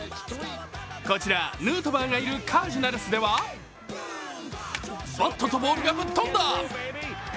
こちらヌートバーがいるカージナルスではバットとボールがぶっ飛んだ！